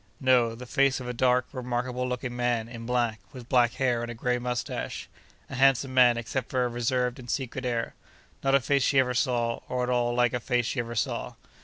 'No. The face of a dark, remarkable looking man, in black, with black hair and a grey moustache—a handsome man except for a reserved and secret air. Not a face she ever saw, or at all like a face she ever saw.